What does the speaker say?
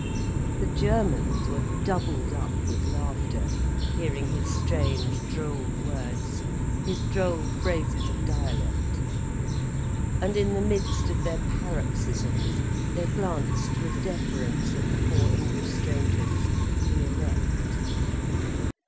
The Germans were doubled up with laughter, hearing his strange droll words, his droll phrases of dialect. And in the midst of their paroxysms, they glanced with deference at the four English strangers, the elect.